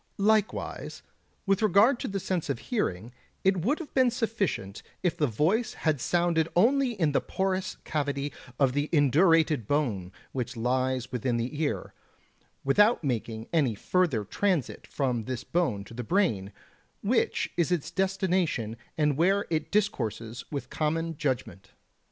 Likewise, with regard to the sense of hearing, it would have been sufficient if the voice had sounded only in the porous cavity of the indurated bone which lies within the ear, without making any further transit from this bone to the brain, which is its destination and where it discourses with common judgement.